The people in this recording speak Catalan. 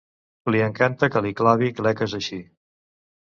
Li encanta que li clavi cleques així.